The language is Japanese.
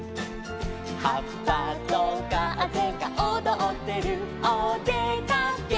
「はっぱとかぜがおどってるおでかけしよう」